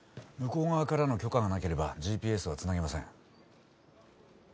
向こう側からの許可がなければＧＰＳはつなげません。